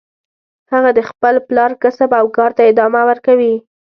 هغه د خپل پلار کسب او کار ته ادامه ورکوي